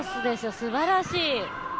すばらしい。